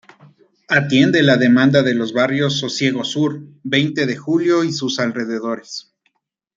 Atiende la demanda de los barrios Sosiego Sur, Veinte de Julio y sus alrededores.